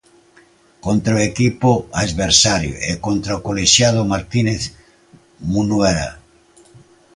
Contra o equipo adversario e contra o colexiado Martínez Munuera.